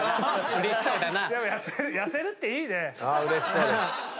うれしそうだな。